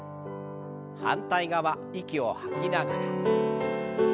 反対側息を吐きながら。